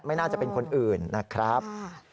ไม่น่าจะเป็นคนอื่นนะครับ